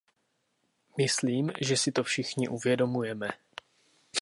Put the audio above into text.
Myslím si, že si to všichni uvědomujeme.